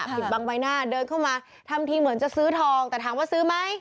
ปิดบังใบหน้าเดินเข้ามาทำทีเหมือนจะซื้อทองแต่ถามว่าซื้อไหม